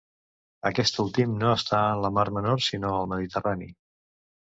Aquest últim no està en la Mar Menor, sinó al Mediterrani.